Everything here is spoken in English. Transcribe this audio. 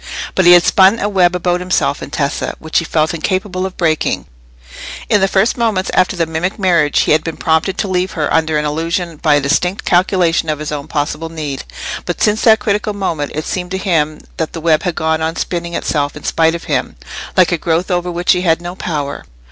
But he had spun a web about himself and Tessa, which he felt incapable of breaking: in the first moments after the mimic marriage he had been prompted to leave her under an illusion by a distinct calculation of his own possible need, but since that critical moment it seemed to him that the web had gone on spinning itself in spite of him, like a growth over which he had no power.